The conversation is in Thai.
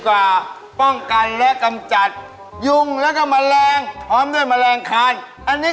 ออกไปนอกร้านเลยจะมาทำอะไรกันอย่างนี้